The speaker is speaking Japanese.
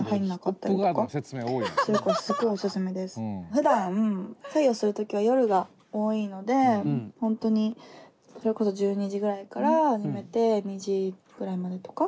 ふだん作業する時は夜が多いので本当にそれこそ１２時ぐらいから始めて２時くらいまでとか。